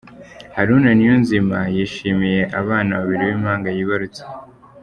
Haruna Niyonzima yishimiye abana babiri b’impanga yibarutse.